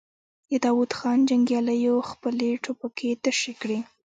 د داوود خان جنګياليو خپلې ټوپکې تشې کړې.